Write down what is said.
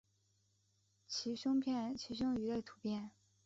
褶胸鱼的图片